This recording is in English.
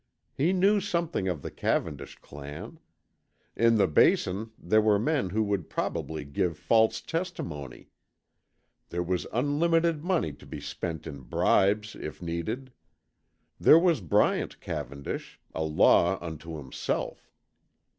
He knew something of the Cavendish clan. In the Basin there were men who would probably give false testimony. There was unlimited money to be spent in bribes if needed. There was Bryant Cavendish, a law unto himself.